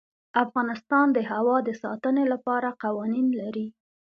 افغانستان د هوا د ساتنې لپاره قوانین لري.